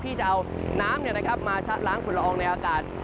ที่จะเอาน้ำมาชะล้างฝุ่นละอองในอากาศ